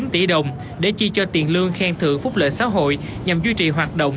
ba mươi chín tỷ đồng để chi cho tiền lương khen thưởng phúc lợi xã hội nhằm duy trì hoạt động